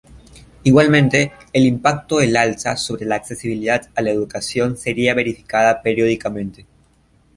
Igualmente, el impacto del alza sobre la accesibilidad a la educación sería verificada periódicamente.